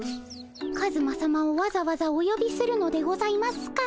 カズマさまをわざわざおよびするのでございますか？